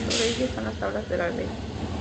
Sobre ella están las tablas de la ley.